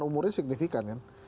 umurnya signifikan kan